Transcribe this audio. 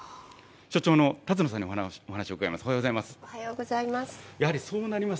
所長の田角さんにお話を伺います。